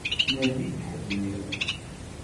Nadi-d ḥedd-nniḍen.